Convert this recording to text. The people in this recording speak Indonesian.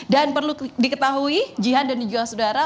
dan perlu diketahui jihan dan juhasudara